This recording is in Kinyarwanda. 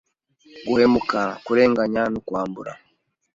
guhemuka, kurenganya no kwambura,